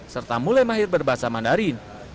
serta mulai mahir berbahasa mandarin